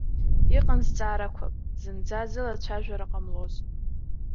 Иҟан зҵаарақәак, зынӡа зылацәажәара ҟамлоз.